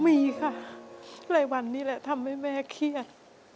มีค่ะหลายวันนี้แหละทำให้แม่เครียด